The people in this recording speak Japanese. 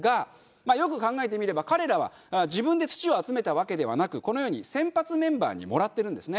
まあよく考えてみれば彼らは自分で土を集めたわけではなくこのように先発メンバーにもらってるんですね。